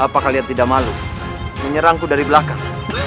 apakah dia tidak malu menyerangku dari belakang